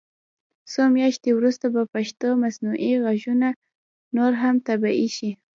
څو میاشتې وروسته به پښتو مصنوعي غږونه نور هم طبعي شي.